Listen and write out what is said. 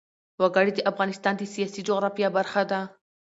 وګړي د افغانستان د سیاسي جغرافیه برخه ده.